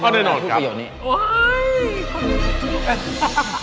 อ๋อแน่นอนครับเว้ยเค้าอยู่ตรงนี้